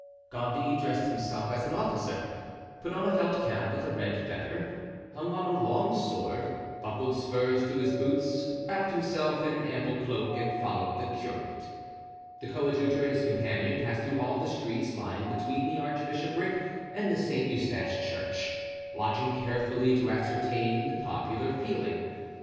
Gondy dressed himself as an officer, put on a felt cap with a red feather, hung on a long sword, buckled spurs to his boots, wrapped himself in an ample cloak and followed the curate. The coadjutor and his companion passed through all the streets lying between the archbishopric and the St. Eustache Church, watching carefully to ascertain the popular feeling.